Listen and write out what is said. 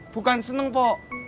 bukan seneng pok